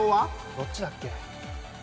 どっちだっけ。